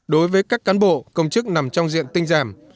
đối với các cán bộ công chức nằm trong diện tinh giảm